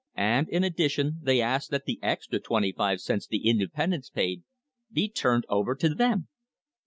And in addition they asked that the extra twenty five cents the independents paid be turned over to them!